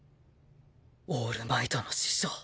オールマイトの師匠！